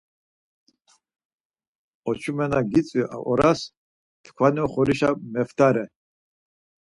Oç̌ume na gitzvi oras t̆ǩvani oxorişa meft̆are.